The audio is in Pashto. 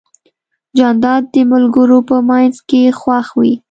جانداد د ملګرو په منځ کې خوښ وي.